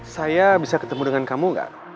saya bisa ketemu dengan kamu gak